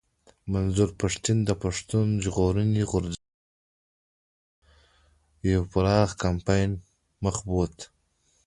منظور پښتين پښتون ژغورني غورځنګ تر جوړېدو يو پراخ کمپاين پر مخ بوت